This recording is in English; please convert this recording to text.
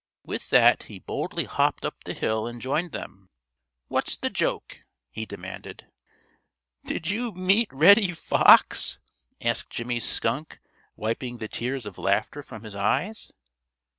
With that he boldly hopped up the hill and joined them. "What's the joke?" he demanded. "Did you meet Reddy Fox?" asked Jimmy Skunk, wiping the tears of laughter from his eyes.